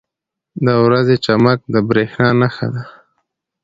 • د ورځې چمک د بریا نښه ده.